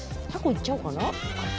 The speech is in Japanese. いっちゃおうかな。